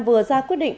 vừa ra quyết định